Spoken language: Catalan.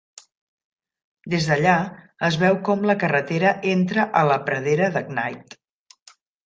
Des d"allà, es veu com la carretera entra a la pradera de Knight.